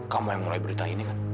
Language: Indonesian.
kamu yang mulai berita ini kan